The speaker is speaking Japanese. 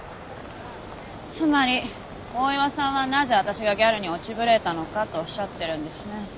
つまり大岩さんはなぜ私がギャルに落ちぶれたのかとおっしゃってるんですね。